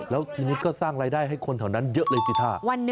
แล้วทีนี้ก็สร้างรายได้ให้คนแถวนั้นเยอะเลยสิท่า